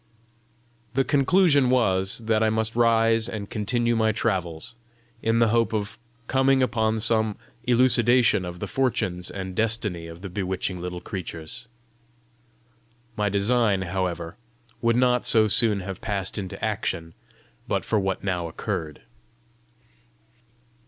The conclusion was, that I must rise and continue my travels, in the hope of coming upon some elucidation of the fortunes and destiny of the bewitching little creatures. My design, however, would not so soon have passed into action, but for what now occurred.